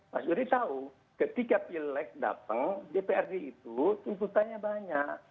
mas yudi tahu ketika pileg datang dprd itu tuntutannya banyak